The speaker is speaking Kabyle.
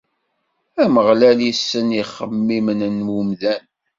Ameɣlal issen ixemmimen n umdan.